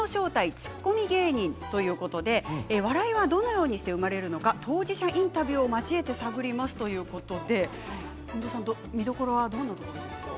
ツッコミ芸人の時代」笑いはどのようにして生まれるのか当事者インタビューを交えて探りますということで見どころはどんなところですか。